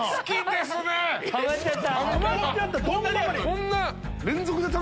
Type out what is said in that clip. こんな。